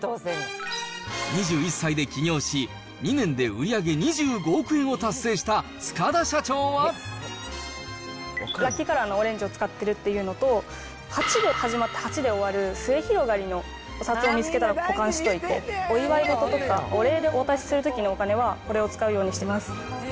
２１歳で起業し、２年で売り上げ２５億円を達成したラッキーカラーのオレンジを使っているっていうところと、８で始まって８で終わる末広がりのお札を見つけたら保管しておいて、お祝い事とかお礼でお渡しするときのお金は、これを使うようにしてます。